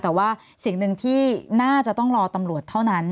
แต่ว่าสิ่งหนึ่งที่น่าจะต้องรอตำรวจเท่านั้น